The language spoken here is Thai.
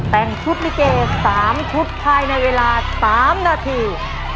แต่งชุดลิเก๓ชุดภายในเวลา๓นาที